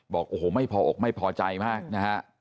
บอกโอ้โหไม่พออกไม่พอใจมากนะฮะ